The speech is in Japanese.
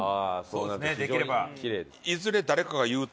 そうですねできれば。